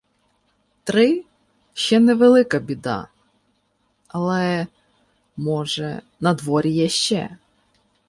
Три — ще невелика біда, але, може, надворі є ще.